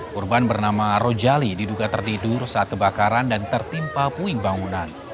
korban bernama rojali diduga tertidur saat kebakaran dan tertimpa puing bangunan